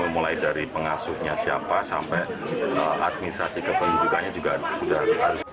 mulai dari pengasuhnya siapa sampai tinha ada administrasi kepunyukannya juga diharuskan